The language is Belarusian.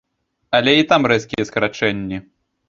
Але і там рэзкія скарачэнні.